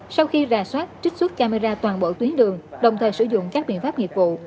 sau khi rà soát trích xuất camera toàn bộ tuyến đường đồng thời sử dụng các biện pháp nghiệp vụ